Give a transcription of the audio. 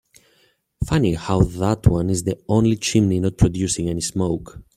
Funny how that one is the only chimney not producing any smoke.